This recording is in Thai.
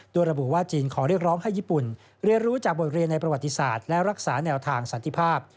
โดยระบุว่าจีนขอเรียกร้องให้ญี่ปุ่นเรียนรู้จากบทเรียนในประวัติศาสตร์และรักษาแนวทางสันติภาพ